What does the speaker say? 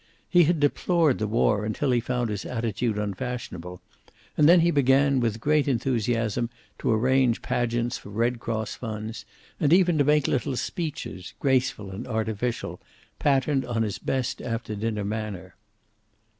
He had deplored the war until he found his attitude unfashionable, and then he began, with great enthusiasm, to arrange pageants for Red Cross funds, and even to make little speeches, graceful and artificial, patterned on his best after dinner manner.